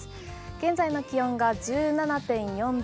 現在の気温が１７．４度。